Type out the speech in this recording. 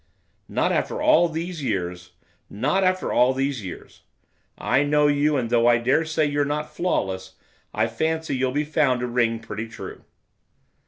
'Not after all these years, not after all these years! I know you, and though I daresay you're not flawless, I fancy you'll be found to ring pretty true.